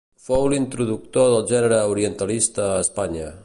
Fou l'introductor del gènere orientalista a Espanya.